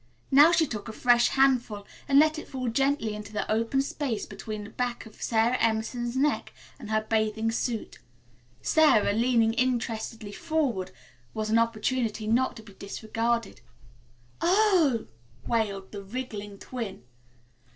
Now she took a fresh handful and let it fall gently into the open space between the back of Sara Emerson's neck and her bathing suit. Sara, leaning interestedly forward, was an opportunity not to be disregarded. "O o o o," wailed the wriggling twin.